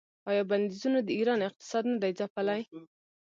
آیا بندیزونو د ایران اقتصاد نه دی ځپلی؟